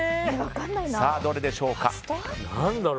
さあ、どれでしょうか。